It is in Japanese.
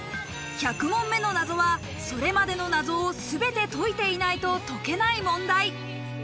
１００問目の謎はそれまでの謎を全て解いていないと解けない問題。